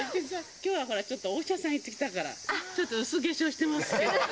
きょうはほら、ちょっとお医者さん行ってきたから、ちょっと薄化粧してますけど。